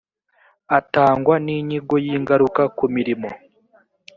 atangwa n inyigo y ingaruka ku mirimo